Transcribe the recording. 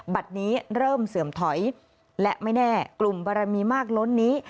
บัตรนี้เริ่มเสื่อมถอยและไม่แน่กลุ่มบารมีมากล้นนี้